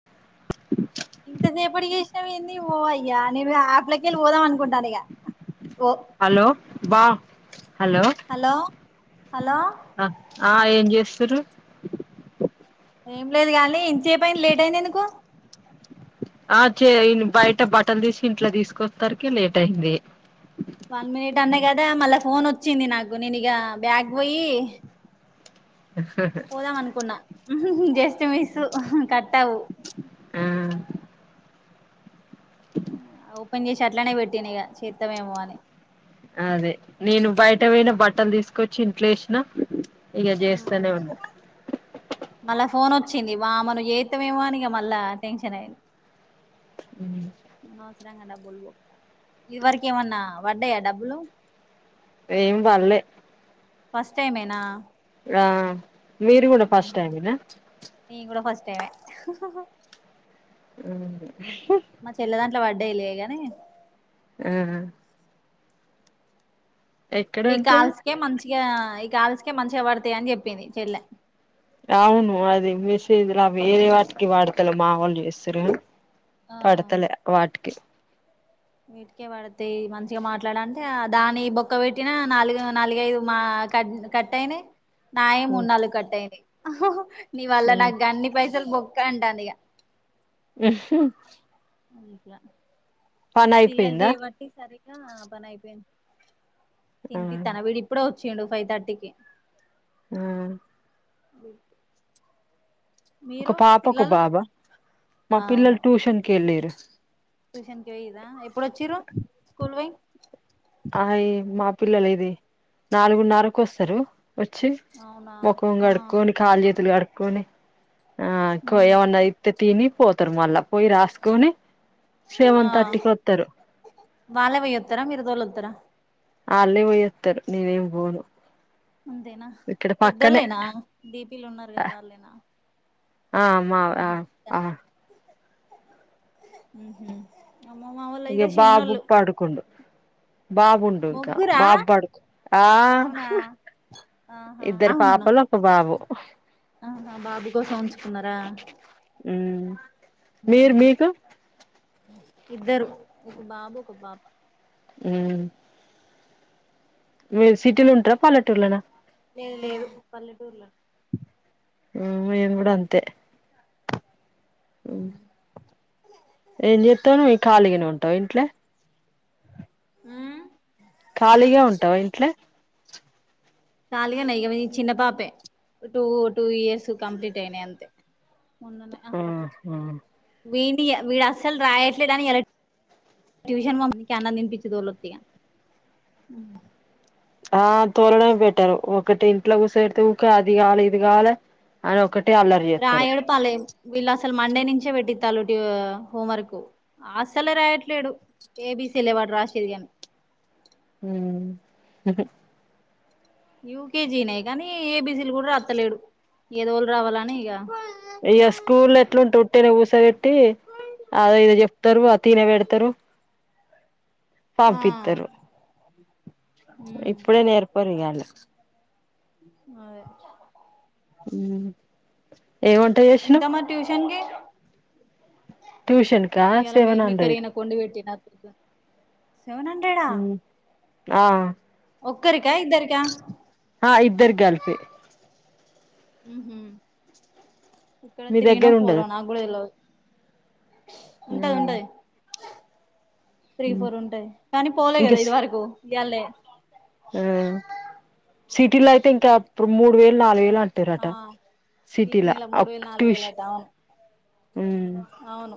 [inaudible] ఇంతసేపటికి [unintelligible] ఏంది ఓ అయ్యా నని ఆపలకెళ్ళి పోదాం అనుకుంటాను ఇగ ఒ హలో బా హలో హలో హలో ఆ ఆ ఏం చేస్తురు ఏం లేదు గానీ ఇంత సేపుయింది లేట్ అయింది ఎందుకు ఆ చే బయట బటన్ తీసి ఇంట్లో తీసుకొస్తరికి లేట్ అయింది వన్ మినిట్ అన్నా కదా మళ్ళా ఫోన్ వచ్చింది నాకు నేను ఇగ బ్యాక్ పోయి ే పోదాం అనుకున్నా జస్ట్ మిసు కట్టవు ఉ ఓపెన్ చేసి అట్లానే పెట్టిన ఇగ చేత్తమేమో అని అదే నేను బయట పోయిన బట్టలు తీసుకొచ్చి ఇంట్లో ఏసిన ఆ మళ్ళా ఫోన్ వచ్చింది వా [unintelligible] జీతమేమో అనిక మళ్ళా టెన్షన్ అయింది ఉ అనవసరంగా డబ్బులు బొక్క ఏం పడ్లే ఫస్ట్ టైమ్ ఎన ఆ మీరు కూడ ఫస్టైమేన నేను కూడ ఫస్ట్ టైమే హు మా చెల్లెదాంట్లో పడ్డాయలే గాని ఉ ఎక్కడ ఈ ఉంటారు కాల్స్కే మంచిగ ఈ కాల్స్కే మంచిగ పడతాయని చెప్పింది చెల్లె అవును అది మెసేజ్లా వేరే వాటికి వాడతలే మా వాళ్ళు చేస్తారు ఆ పడతలే వాటికి వీటికే పడతాయి మంచిగా మాట్లాడ అంటే దాని బొక్క పెట్టినా నాలుగు నాలుగైదు మా క కట్ అయినాయ్ నయే మున్నాళ్ళు కట్టయింది నీ వల్ల నాకు అన్ని పైసలు బొక్క అంటాంది ఇక హమ్ పని పిల్లల అయిపోయిందా [unintelligible] పని అయిపోయింది ఆ తినిపితన వీడు ఇప్పుడ వచ్చిండు ఫైవ్ థర్టీకి ఆ ఒక మీరు పాప ఒక పిల్లలు బాబ మా పిల్లలు ట్యూషన్కి వెళ్ళరు ట్యూషన్కి పోయ్యర ఎప్పుడు వచ్చిరూ స్కూల్ వై అయి మా పిల్లలు ఇది నాలుగున్నరకు ఒస్సరు ఒచ్చి అవునా ముఖం ఆ కడుక్కొని కాల్ జేతులు కడుక్కొని ఆ కో మ్మ్ ఎవన్న ఇతే తిని పోతారు మల్ల పోయి రాస్కుని ఆ వాల్లే వొయ్యతర మీరు తొలత్తర ఆ అల్లే వోయ్యత్తరు నేనేంబోను అంతేనా పెద్దళ్ళేనా డీ పి ల ఉన్నారు గద వాళ్ళేనా ఆ మా ఆ ఆ ఉహు ఇగ బాబుక్ పడుకుండు బాబుండు ఇంకా ముగ్గురా బాబు బడుకు ఆ అవునా ఆహా ఇద్దరు అవునను పాపలు బాబు ఆహ బాబు కోసం ఉంచుకున్నారా ఉ మ్మ్ మీరు హ్మ్ మీకు ఇద్దరు ఒక బాబు ఒక పాప ఊ మీరు సిటీల ఉంటర పల్లెటూర్లనా లేదు లేదు పల్లెటూర్లానే ఊ మేమ్ గూడా అంతే ఊ ఏన్ జెత్తావే ఖాళీగనే ఉంటవ ఇంట్ల ఊమ్ ఖాళీగా ఉంటావ ఇంట్ల ఖాలీగనే ఇగ ఇ చిన్న పాపే టూ టూ ఇయర్స్ కంప్లీట్ అయినయ్ అంతే విన్నీ ఈ వీడు అస్సలు రాయట్లేదు అని ఇయల ట్యూషన్ వంపి కె అన్నందినిపిచ్చి దోలొత్తిగా ఊ ఆ తోలడంవే బెటర్ ఒకటి ఇంట్ల కూసవేడ్తే ఉంక అది గావలే ఇది గావలే అని ఒకటే అల్లరి ఎత్తరూ పలెం వీళ్ళ అసలు మండే నించే వేట్టిత్తాలు ట్యూ హోం వర్కు ఆసలే రాయట్లేడు ఏ బీ సీ లే, వాడు రాశేది గని ఊ యూ కే జీ, నే గానీ ఏ బి సీ, లు కూడా రాత్తలేడు దోల్ రావలలే అని ఇగ ఇగా స్కూల్ల ఎట్లుంటే ఉట్టినే గుసోవెట్టీ అద ఇదో చెప్తరు ఆ తిన వేడ్తారు ఆ పంపిత్తరు ఉమ్ ఇప్పుడే నేర్పారుఇగ అల్లకు మయ ఊ ఏవంట్ ఎంతమ్మ ట్యూషన్కి ట్యూషన్ కా సెవెన్ హండ్రెడ్ కొండి వెట్టినా సెవెన్ హా ఊ ఆ ఒక్కరికా ఇద్దరికా ఆ ఇద్దరి గల్ఫే ఊహు హ ఇక్కడ మీ త్రీనో దగ్గర ఫోరొ ఉండదు నా గూడా తెల్వదు ఉంటది ఉంటది త్రీ ఫోర్ ఉంటది కానీ పోలే ఇంకా గదా ఇద్వరకు ఇయాల్నే ఆ సిటీలో అయితే ఇంకా అప్పుడు మూడు వేలు నాలుగు వేలు అంట్ ఆ త్తిరట సిటీలా సిటీల మూడు అప్ వేలు నాలుగు వేలు టూష్ అట అవును ఊ అవును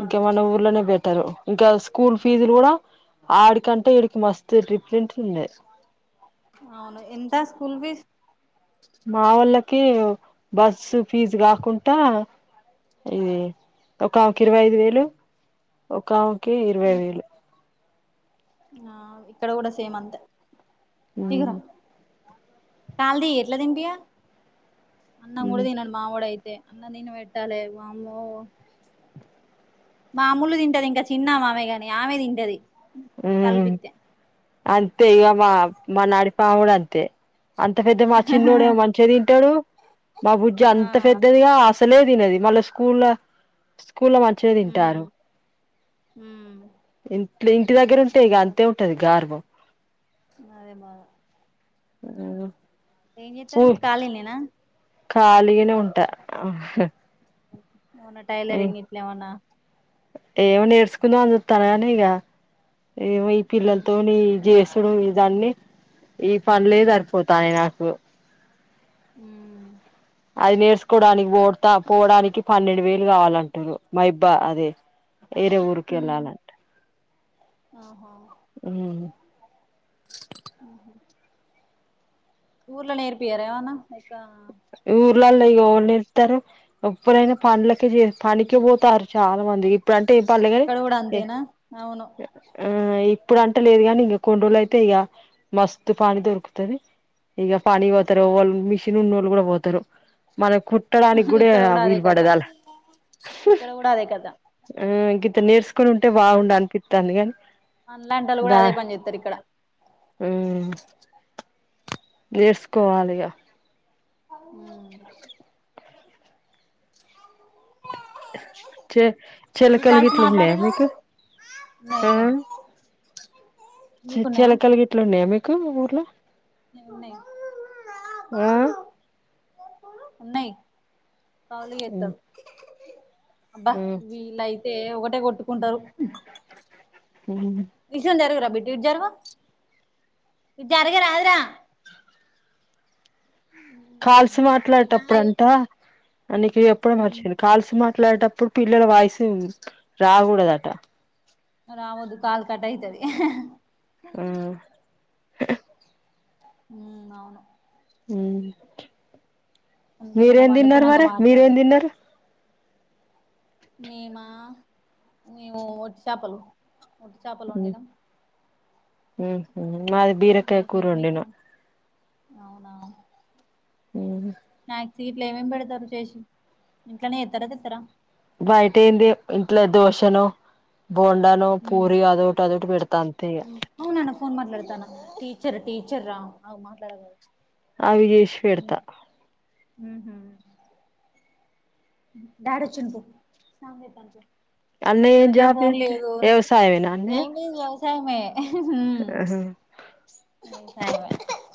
ఇంక మన ఊర్లోనే బెటరు ఇంకా స్కూల్ ఫీజులు కూడా ఆడికంటే ఇడికి మస్త్ డిఫరెంట్ ఉంది అవును ఎంత స్కూల్ ఫీస్ మా వాళ్ళకీ బస్సు ఫీజు గాకుంటా ఇది ఒక ఆమెకి ఇరవై ఐదు వేలు ఒక ఆమెకి ఇరవై వేలు ఆ ఇక్కడ కూడా సేమ్ అంతే ఉమ్ దిగరా కాల్దీ ఎట్ల తినిపియా అన్నం కూడ ఉమ్ తినరు మావడయితే అన్నం తిన పెట్టాలే వామ్మో మా అమ్ములు తింటది ఇంక చిన్నామె ఆమెగానే ఆమె తింటది ఊ కల్పిత్తే అంతే ఇక మా మా నడిపామె కూడ అంతే అంత పెద్ద మా చిన్నోడేమో మంచిగ తింటడూ మా బుజ్జి ఆ అంత పెద్దదిగా అసలె అసలే తినది మళ్ళ స్కూల్లో స్కూల్లో మంచి ఊ ఊ ఇంట్ ఇంటి దగ్గర ఉంటే ఇక అంతే ఉంటది గార్భం అదే మల్ల ఊ ఏం చేతారు మీరు కాలిగా నేనా ఖాళీగానే ఉంటా హ మొన్న టైలరింగ్ ఇట్లేమన్నా ఏమో నేర్చుకుందాం అని చూతన్న గాని ఇగ ఏమొ ఉమ్ పిల్లలతోని జేసుడు ఇదన్ని ఈ పనులే సరిపోతానయి నాకు హ అది నేర్చుకోవడానికి పోడతా పోవడానికి పన్నెండు వేలు కావాలంటురు మహబ్బా అదే వేరే ఉమ్ ఊరుకెళ్లాలి అంటే ఆహా ఓహో ఊర్ళ నేర్పియర ఏమన్నా ఇకా ఊర్లల్లో ఇగ ఎవరు నేర్పుతారు ఎప్పుడైనా పండ్లక చే పనికి పోతారు చాలా మంది ఇప్పుడు అంటే ఏం పనిలేదు కానీ అక్కడ కూడా ఎ అంతేనా అవును ఆ ఇప్పుడు అంటె లేదు కాని ఇంక కొన్ని రోజలు అయితే ఇక మస్తు పని దొరుకుతది ఇక పనికి పోతారు వాళ్ళు మిషిన్ ఉన్న వాళ్ళు కూడా పోతారు మన కు కట్టడానికి కూడా ఇక్కడ వీలు పడదల నువ్వు కూడ అదే కథ ఆ ఇంగింత నేర్చుకుని ఉంటే బాగుండు అనిపితాంది గాని మనల్లాంటోళ్ళు కూడా అదే పని చెస్తారు ఇక్కడ ఉ నేర్చుకోవాలిగా హ చె చెలకలు గిట్ల ఉన్నాయా మీకు ఉన్నయి ఉన్నాయి చె మీకున్నాయా చెలకలు గిట్ల ఉన్నాయా మీకు ఊర్లో ఉన్నాయి ఆ ఉన్నాయి ఉన్నాయి కవులు ఏస్తారు అబ్బా వీళ్ళయితే ఒకటే కొట్టుకుంటారు ఉహు విషయం జరుగురా బిట్టి ఇటు జరుగు ఇటు జరగ రాదురా కాల్సి మాట్లాడేటప్పుడు అంటా న నీకు ఎప్పుడో మర్చిది కాల్స్ మాట్లాడేటప్పుడు పిల్లల వాయిసు రాకూడదట రవోద్దు కాల్ కట్ అయితది ఉ ఉ అవును ఉ అందుకే మొన్న మీరేం తిన్నారు పండుకున్నాక మరి మాట్లాడే మీరేం తిన్నారు నేమా మేము ఒట్టి చేపలు ఒట్టి చేపలు వండినాం ఉహు మాది బీరకాయ్ ఆయనకు కూరు మిల్ వండిన మేకర్ అవునా స్న సీట్లు ఏమేమి పెడతారు చేసి ఇంట్లోనే చేత్తార తెతరా బయట ఏంది ఇంట్లో దోషనో బోండానో పూరి అదోటి అదోటి పెడతా అంతే ఇగ అవునన్న ఫోన్ మాట్లాడుతాన టీీచర్ టీచర్ రా అవు మాట్లాగద అవి చుస్ ఉ ఉహు డాడీ వచ్చిండు పో స్నానం చేత్తాండు పో అన్నయ్య నా ఏం దగ్గర జాబ్ ఫోన్ చేత్తే లేదు వ్యవసాయమేనా అన్నయ్య ఏం లేదు వ్యస్ టైం మే ఆహా ఉ టైం మే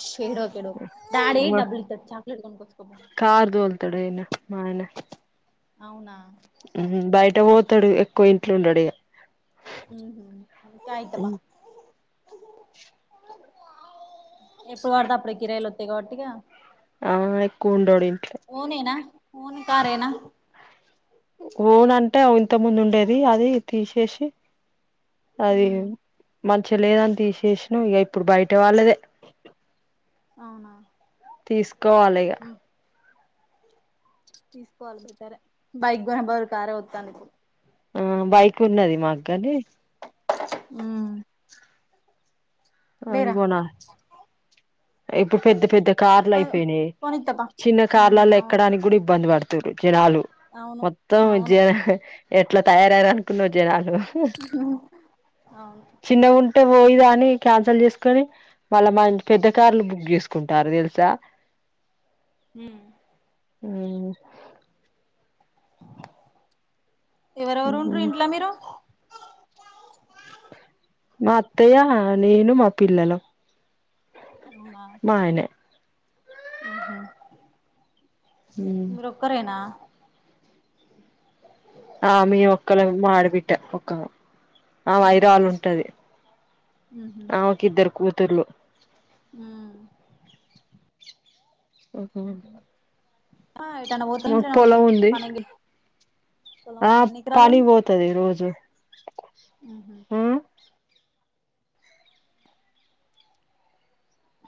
శిర్ ఒకేడు డాడీ డబ్బులు ఇతాడు చాక్లేట్ కోనుకోచుకో పో కార్ దోల్తాడు ఈయన మా ఆయన అవునా ఉ బయట పోతాడు ఎక్కువ ఇంట్లో ఉండడు ఇగ ఉహు కాయ్ ఇత్తాపా ఉమ్ ఎప్పుడు వడుతే అప్పుడే కిరాయిలు వతాయి కాబట్టిగా ఇగ ఆ ఎక్కు ఉండడు ఇంట్లో ఓన్ నేనా ఓన్ కారేనా ఓన్ అంటే ఓ ఇంత ముందు ఉండేది అది తీసేసి అది హ్మ్ మంచిగా లేదని తీసేసిన ఇగ ఇప్పుడు బయట వాళ్ళదే అవునా తీసుకోవాలి ఇగ తీసుకోవాలి బెటర్ బైక్ కొనే బదులు కారే వొత్తాది ఆ బైక్ ఉన్నది మాకు గాని ఉ అది కొనాలే ఇప్పుడు పెద్ద పెద్ద కార్లు అయ్యో అయిపోయినాయి కొనిత్త పా చిన్న హ్మ్ కార్లలో అవును ఎక్కడానికి గుడి ఇబ్బంది పడుతు తూరు జనాలు అవును మొత్తం అవును జనా ఎట్లా తయారయ్యార అనుకున్నావు జనాలు ఉ అవును చిన్న ఉంటే పోయిదా అని క్యాన్సల్ చేసుకొని మళ్ళ మన్ పెద్ద కార్లు బుక్ చేసుకుంటారు తెలుసా ఊ ఊ ఎవరెవరు ఉంట్రు ఇంట్లో మీరు మా అత్తయ్య నేను మా పిల్లల అవునా ఆయనే ఊహూ మీరొక్కరేనా ఆ మీ ఒక్కళం మా ఆడబిడ్డ ఒక్క ఆమె ఉహు ఐరాలుంటది ఉహు ఆమెకి ఇద్దరు కూతుర్లు ఊ ఊహూ ఆ ఎటన్న పోత మాకు ఇంట్లనే పొలం ఉంటాం ఉంది పని గి పొలం ఆ ఉందా ఎన్ని ఎకరాలు పనికి పోతది రోజూ ఊహూ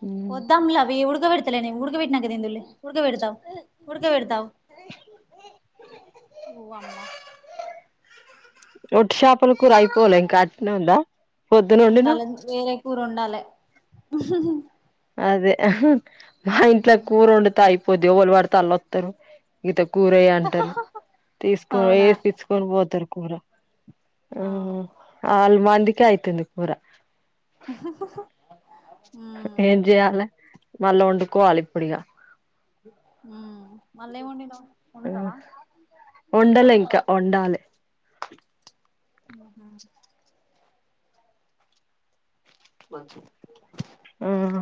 ఉమ్ వద్దు అమ్లవి ఉడకవెడు తలే నే ఉడుక పెట్టినాక తిందువులే ఉడక పెడతా ఉడుక పెడతావ్ ఊ అమ్మ రొట్టి షాపల కూర అయిపోలే ఇంకా అట్టనే ఉందా పొద్దున ఉండాల వండినవ్ వేరే కూరోడాలె అదే మా ఇంట్లో కూరొండుతే అయిపోద్ది ఎవలు పడితే అల్లొస్తారు ఇత కూరెయ్య అంటారు తీసుకొపోయి అవునా [inaudible] చ్చుకొని పోతారు కూర ఊ అవును అల్ మందికే అయితుంది కూర ఆాా ఏం చెయాల మళ్ళా వండుకోవాలి ఇప్పుడు ఇగ ఊమ్ వండలే ఇంకా వండాలి ఊహూ [inaudible] ఆహా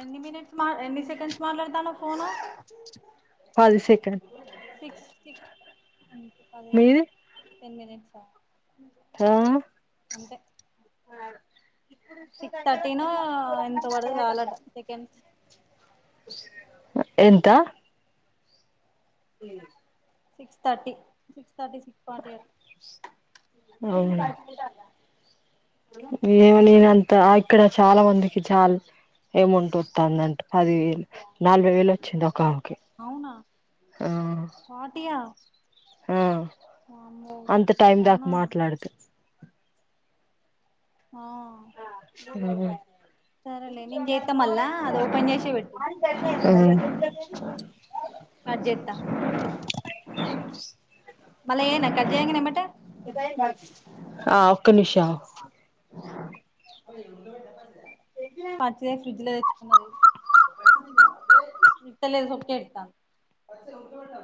ఎన్ని మినిట్స్ మా ఎన్ని సెకండ్స్ మాట్లాడతానావ్ ఫోను పది సెకండ్ సిక్స్టీ అంటే మీది [inaudible] టెన్ మినిట్స్ ఆ రా అంతే సిక్స్ థర్టీనో ఎంత వరకు సాలు అట సెకండ్స్ ఎంత peanuts six thirty six thirty six forty అట్ అవునా ఏం నేనంత ఇక్కడ చాలా మందికి చాలు ఏమౌంటొత్తాందంట పది వేలు నలభై వేలు వచ్చింది ఒకామెకి అవునా ఫార్టీ ఆ ఆ అంత టైం దాకా అవునా మాట్లాడుతే ఆ ఊ ఊ సరేలే నేను చేత్తా మళ్ళా అది ఓపెన్ చేసే పెట్టు ఆ కట్ జేత్తా మల్లా చేయనా కట్ చేయంగానే ఎంబెట ఆ ఒక్క నిషం ఉం పచ్చడి ఫ్రిడ్జ్ లో పెట్టుకున్నది ఇత్తలేదు